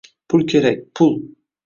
Pul kerak, pul